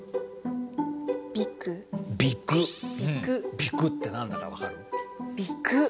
「比丘」って何だか分かる？